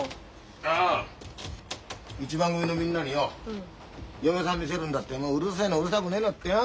ああ一番組のみんなによ嫁さん見せるんだってもううるせえのうるさくねえのってよ。